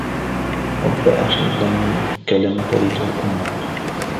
ربّ أخٍ لك لم تلده أمك.